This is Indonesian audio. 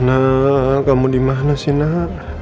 nah kamu dimana sih nak